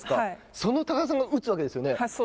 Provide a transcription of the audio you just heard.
その高田さんが打つわけですよね。